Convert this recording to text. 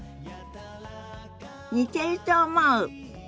似てると思う。